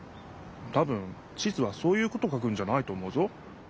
たぶん地図はそういうことを書くんじゃないと思うぞ。